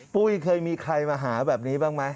ปุ้ยเคยมีใครมาหาแบบนี้บ้างไหม